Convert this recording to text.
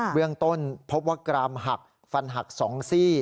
เรื่องต้นพบว่ากรามหักฟันหัก๒ซี่